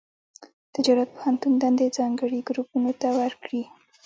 تجارت پوهنتون دندې ځانګړي ګروپونو ته ورکړي.